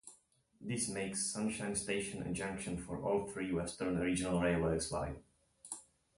This makes Sunshine Station a junction for all three western regional railway lines.